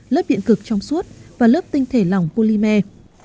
lớp biện cực trong suốt và lớp tinh thể lỏng polymer